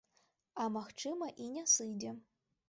А магчыма, і не сыдзе.